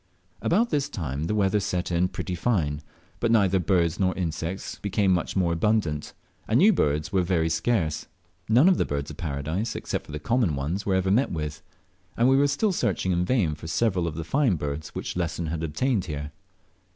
About this time the weather set in pretty fine, but neither birds nor insects became much more abundant, and new birds were very scarce. None of the Birds of Paradise except the common one were ever met with, and we were still searching in vain for several of the fine birds which Lesson had obtained here.